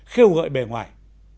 khêu gợi bề ngoài